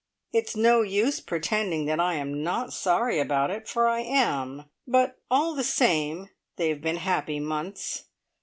It's no use pretending that I am not sorry about it, for I am; but all the same, they have been happy months.